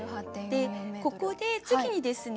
ここで次にですね